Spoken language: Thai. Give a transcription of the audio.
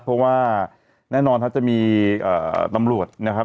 เพราะว่าแน่นอนครับจะมีตำรวจนะครับ